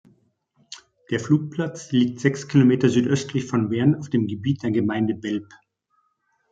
Der Flugplatz liegt sechs Kilometer südöstlich von Bern auf dem Gebiet der Gemeinde Belp.